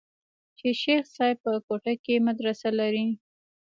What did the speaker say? چې شيخ صاحب په کوټه کښې مدرسه لري.